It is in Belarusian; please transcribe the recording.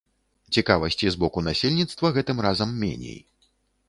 Цікавасці з боку насельніцтва гэтым разам меней.